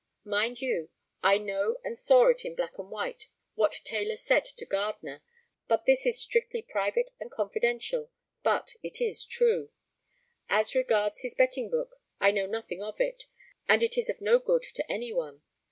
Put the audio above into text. Mind you. I know and saw it in black and white what Taylor said to Gardner; but this is strictly private and confidential, but it is true. As regards his betting book, I know nothing of it, and it is of no good to any one.